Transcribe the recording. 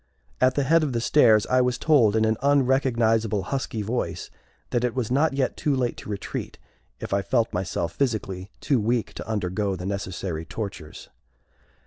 At the head of the stairs I was told in an unrecognizable, husky voice, that it was not yet too late to retreat if I felt myself physically too weak to undergo the necessary tortures.